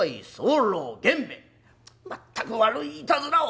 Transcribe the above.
全く悪いいたずらを！